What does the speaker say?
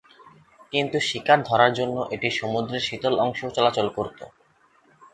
কিন্তু শিকার ধরার জন্য এটি সমুদ্রের শীতল অংশেও চলাচল করতো।